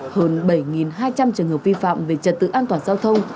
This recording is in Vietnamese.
hơn bảy hai trăm linh trường hợp vi phạm về trật tự an toàn giao thông